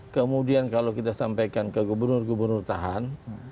kemudian kalau kita sampaikan ke gubernur gubernur tahan